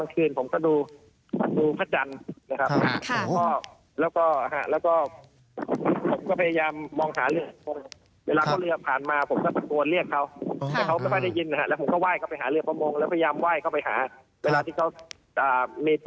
คือขึ้นตรงใหญ่ครับแล้วก็มองไม่เห็นมา